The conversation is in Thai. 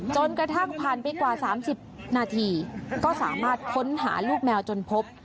จนกระทั่งผ่านไปกว่า๓๐นาทีก็สามารถค้นหาลูกแมวจนพบ